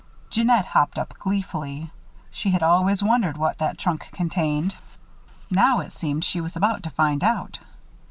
Jeannette hopped up, gleefully. She had always wondered what that trunk contained. Now, it seemed, she was about to find out.